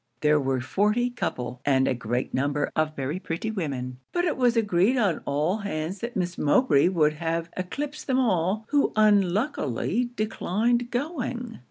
There were forty couple, and a great number of very pretty women; but it was agreed on all hands that Miss Mowbray would have eclipsed them all, who unluckily declined going.